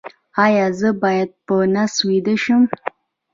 ایا زه باید په نس ویده شم؟